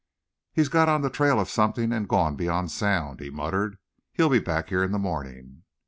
"He's got on the trail of something and gone beyond sound," he muttered. "He'll be back here in the morning."